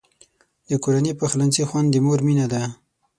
د کورني پخلنځي خوند د مور مینه ده.